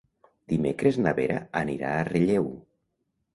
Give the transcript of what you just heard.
Dimecres na Vera anirà a Relleu.